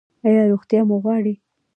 ایا روغتیا مو غواړئ؟